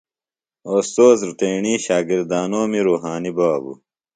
اوستوذ تیݨی شاگردانومی روحانی بابو۔